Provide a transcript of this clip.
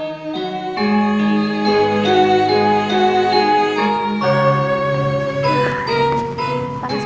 masih udah diangkat